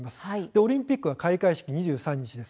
オリンピックの開会式は２３日です。